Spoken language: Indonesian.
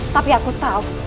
tapi aku tahu